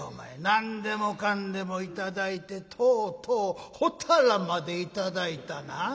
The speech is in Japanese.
何でもかんでもいただいてとうとうほたらまでいただいたな。